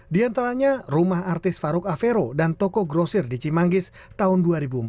di antaranya rumah artis farouk avero dan toko grosir di cimanggis tahun dua ribu empat belas